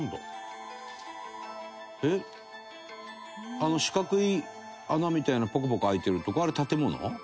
「あの四角い穴みたいなのポコポコ開いてるとこあれ建物？」